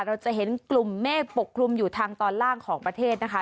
เราจะเห็นกลุ่มเมฆปกคลุมอยู่ทางตอนล่างของประเทศนะคะ